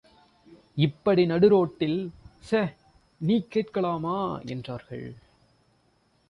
இப்படி நடுரோட்டில், சே! —நீ கேட்கலாமா? —என்றார்கள்.